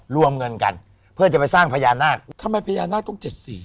รวมเงินกันเพื่อจะไปสร้างพญานาคทำไมพญานาคต้องเจ็ดสี่